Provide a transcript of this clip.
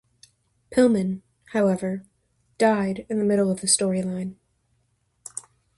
Pillman, however, died in the middle of the storyline.